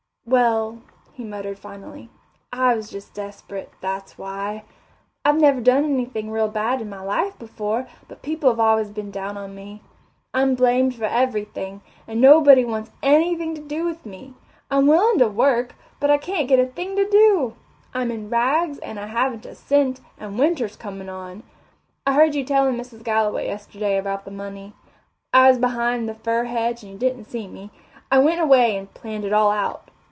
"Well," he muttered finally, "I was just desperate, that's why. I've never done anything real bad in my life before, but people have always been down on me. I'm blamed for everything, and nobody wants anything to do with me. I'm willing to work, but I can't get a thing to do. I'm in rags and I haven't a cent, and winter's coming on. I heard you telling Mrs. Galloway yesterday about the money. I was behind the fir hedge and you didn't see me. I went away and planned it all out.